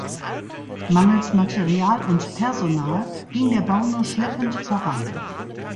Mangels Material und Personal ging der Bau nur schleppend voran.